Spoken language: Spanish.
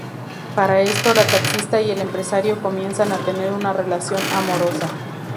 Para esto, la taxista y el empresario comienzan a tener una relación amorosa.